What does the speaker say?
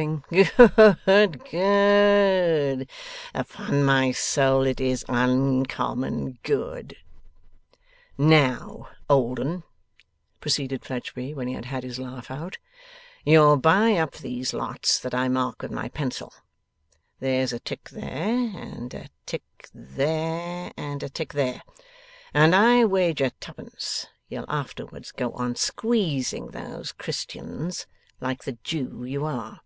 Good! Upon my soul it is uncommon good!' 'Now, old 'un,' proceeded Fledgeby, when he had had his laugh out, 'you'll buy up these lots that I mark with my pencil there's a tick there, and a tick there, and a tick there and I wager two pence you'll afterwards go on squeezing those Christians like the Jew you are.